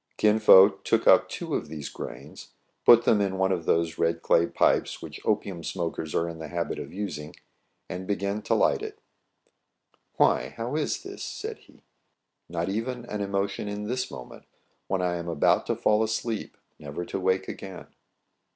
Kin Fo took up two of these grains, put them in one of those red clay pipes which opium smokers are in the habit of using, and began to light it. " Why, how is this }" said he. " Not even an emotion in this moment when I am about to fall asleep never to wake again